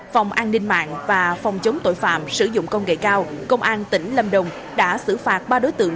phòng an ninh mạng và phòng chống tội phạm sử dụng công nghệ cao công an tỉnh lâm đồng đã xử phạt ba đối tượng